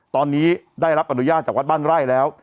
ตอนนี้ได้รับอนุญาตจากวัดบ้านไร่แล้ว